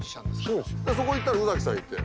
そこ行ったら宇崎さんいて。